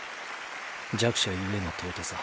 弱者ゆえの尊さ。